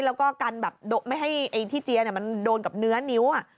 แล้วก็กันแบบไม่ให้ไอ้ที่เจียมันโดนกับเนื้อนิ้ว